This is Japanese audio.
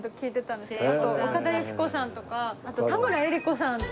あと岡田有希子さんとかあと田村英里子さんって。